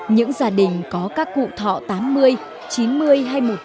những gia đình có các cụ thọ tám mươi chín mươi hay một trăm linh tuổi